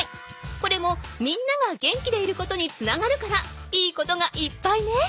これもみんなが元気でいることにつながるからいいことがいっぱいね。